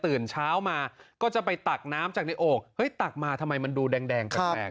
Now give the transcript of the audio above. ตื่นเช้ามาก็จะไปตักน้ำจากในโอ่งเฮ้ยตักมาทำไมมันดูแดงแปลก